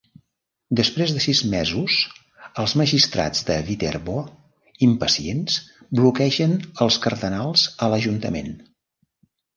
Després de sis mesos els magistrats de Viterbo, impacients, bloquegen els cardenals a l'ajuntament.